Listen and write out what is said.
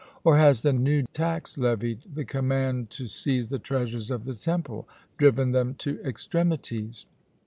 Or has the new tax levied, the command to seize the treasures of the temple, driven them to extremities?